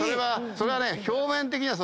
それはね。